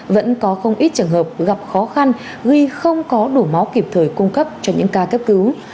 vẫn có không ít trường hợp gặp khó khăn ghi không có đủ máu kịp thời cung cấp cho những ca cấp cứu